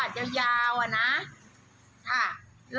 แล้วก็ไปขวาดอยากไย่ไม้ขวาดยาวน่ะนะ